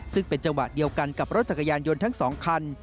ซึ่งเป็นจังหวะเดียวกันกับรถจักรยานยนต์ทั้ง๒คัน